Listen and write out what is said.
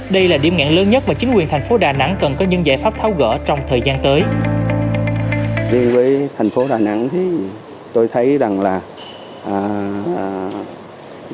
đây là điểm ngãn lớn nhất mà chính quyền thành phố đà nẵng cần có những giải pháp tháo gỡ trong thời gian tới